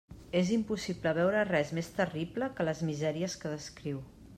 És impossible veure res més terrible que les misèries que descriu.